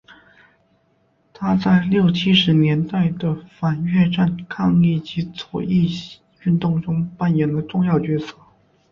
他在六七十年代的反越战抗议及左翼运动中亦扮演了重要角色。